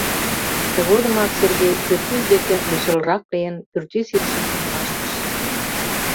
Тыгодымак Сергей пӱртӱс деке лишылрак лийын, пӱртӱс илышым умылаш тыршен.